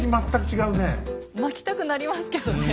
まきたくなりますけどね。